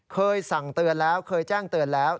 เคยสั่งเตือนแล้วเคยแจ้งเตือนแล้ว